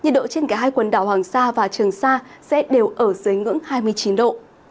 nhiệt độ trên cả hai quần đảo hoàng sa và trường sa sẽ đều ở dưới ngưỡng hai mươi chín độ